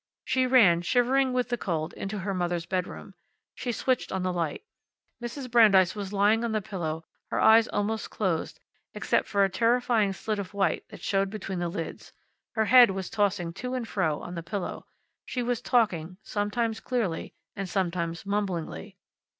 She ran, shivering with the cold, into her mother's bedroom. She switched on the light. Mrs. Brandeis was lying on the pillow, her eyes almost closed, except for a terrifying slit of white that showed between the lids. Her head was tossing to and fro on the pillow. She was talking, sometimes clearly, and sometimes mumblingly.